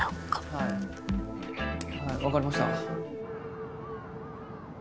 はいはいわかりました。